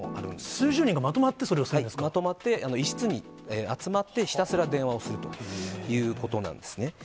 数十人がまとまってそれをすまとまって、一室に集まって、ひたすら電話をするということなんですね。